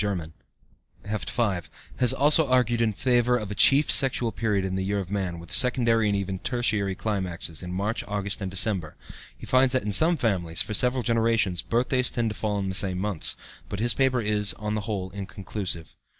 III, Heft 5) has also argued in favor of a chief sexual period in the year in man, with secondary and even tertiary climaxes, in March, August, and December. He finds that in some families, for several generations, birthdays tend to fall in the same months, but his paper is, on the whole, inconclusive.